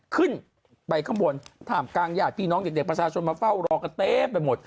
ขึ้นไปข้างบนท่ามกลางญาติพี่น้องเด็กประชาชนมาเฝ้ารอกันเต็มไปหมด